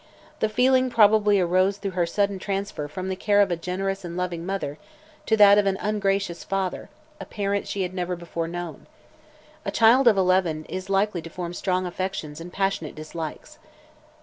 The feeling probably arose through her sudden transfer from the care of a generous and loving mother to that of an ungracious father a parent she had never before known. A child of eleven is likely to form strong affections and passionate dislikes."